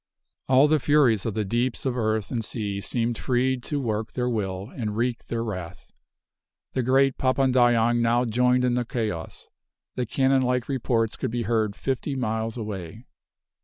All the furies of the deeps of earth and sea seemed freed to work their will and wreak their wrath. The great Papandayang now joined in the chaos. The cannon like reports could be heard fifty miles away.